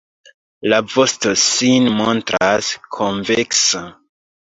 La vosto sin montras konveksa.